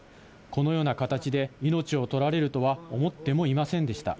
このような形で命を取られるとは、思ってもいませんでした。